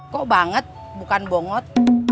kok banget bukan bongot